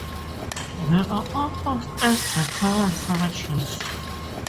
There are also state veteran cemeteries.